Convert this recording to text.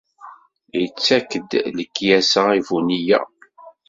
Ittak-d lekyasa i bu nniya.